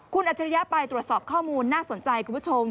คุณอัจฉริยะไปตรวจสอบข้อมูลน่าสนใจคุณผู้ชม